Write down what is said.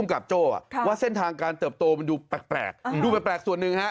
ผมกับโจ้ว่าเส้นทางการเติบโตดูแปลกส่วนหนึ่ง